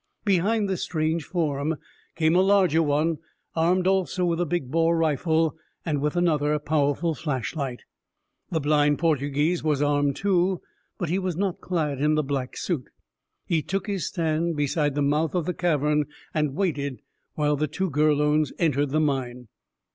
Behind this strange form came a larger one, armed also with a big bore rifle and with another powerful flashlight. The blind Portuguese was armed, too, but he was not clad in the black suit. He took his stand beside the mouth of the cavern, and waited while the two Gurlones entered the mine.